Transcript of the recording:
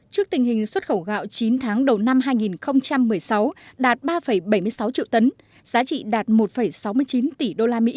trước tình hình xuất khẩu gạo chín tháng đầu năm hai nghìn một mươi sáu đạt ba bảy mươi sáu triệu tấn giá trị đạt một sáu mươi chín tỷ usd